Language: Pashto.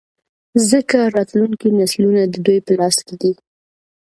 ځـکـه راتـلونکي نـسلونه د دوي پـه لاس کـې دي.